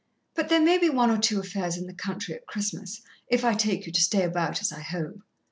But there may be one or two affairs in the country at Christmas, if I take you to stay about, as I hope.